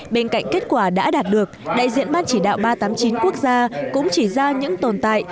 bên cạnh kết quả đã đạt được đại diện ban chỉ đạo ba trăm tám mươi chín quốc gia cũng chỉ ra những tồn tại